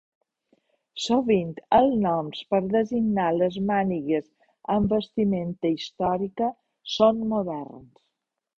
Sovint els noms per designar les mànigues en vestimenta històrica són moderns.